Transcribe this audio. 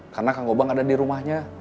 karena kang gobang ada di rumahnya